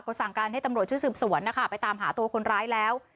ก็สั่งการให้ตำรวจชุดสืบสวนนะคะไปตามหาตัวคนร้ายแล้ว